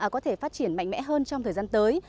có thể phát triển mạnh mẽ hơn trong thời gian tới